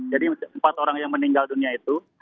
jadi empat orang yang meninggal dunia itu